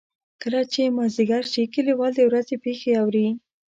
کله چې مازدیګر شي کلیوال د ورځې پېښې اوري.